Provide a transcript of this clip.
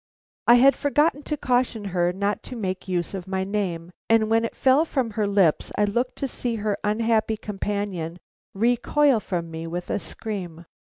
I had forgotten to caution her not to make use of my name, and when it fell from her lips I looked to see her unhappy companion recoil from me with a scream.